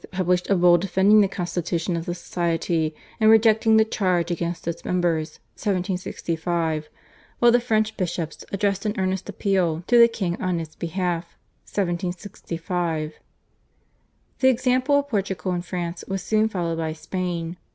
published a Bull defending the constitution of the Society, and rejecting the charge against its members (1765), while the French bishops addressed an earnest appeal to the king on its behalf (1765). The example of Portugal and France was soon followed by Spain.